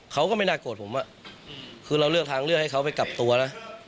เขาก็ไม่น่าโกรธผมคือเราเลือกทางเลือกให้เขาไปกลับตัวนะ